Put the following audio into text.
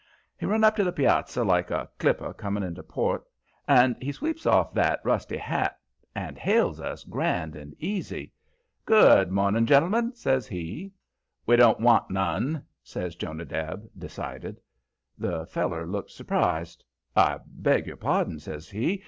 He run up to the piazza like a clipper coming into port, and he sweeps off that rusty hat and hails us grand and easy. "Good morning, gentlemen," says he. "We don't want none," says Jonadab, decided. The feller looked surprised. "I beg your pardon," says he.